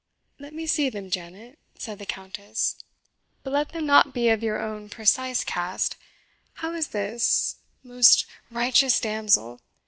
"Let me see them, Janet," said the Countess; "but let them not be of your own precise cast, How is this, most righteous damsel?